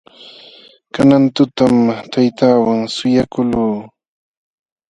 Kanan tutam taytaawan suyakuqluu.